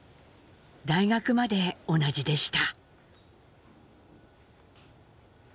大学まで同じでした。